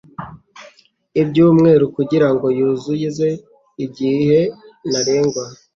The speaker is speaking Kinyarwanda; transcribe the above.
ibyumweru kugirango yuzuze igihe ntarengwa